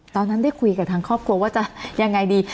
ตอนนั้นได้คุยกับทางครอบครัวว่าจะยังไงดี